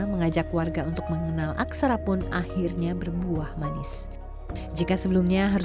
menjaga kursi dan membuatnya menjadi kursi yang sangat berharga